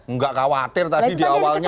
nggak khawatir tadi di awalnya